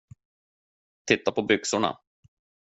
Titta på byxorna.